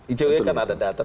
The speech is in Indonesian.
itu kan ada data